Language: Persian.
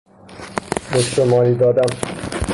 مشتمالی دادن